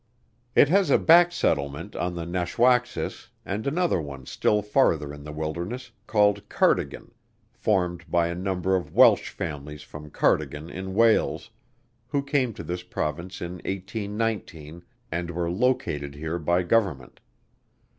It has a back settlement on the Nashwacksis and another one still farther in the wilderness, called Cardigan, formed by a number of Welsh families from Cardigan in Wales, who came to this Province in 1819, and were located here by Government.